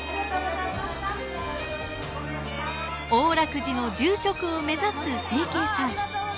王樂寺の住職を目指す晴惠さん。